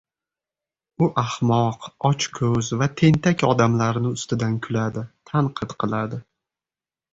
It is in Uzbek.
U ahmoq, ochkoʻz va tentak odamlarni ustidan kuladi, tanqid qiladi.